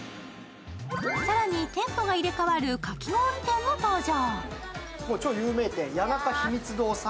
更に、店舗が入れ替わるかき氷店も登場。